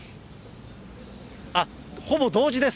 あっ、ほぼ同時です。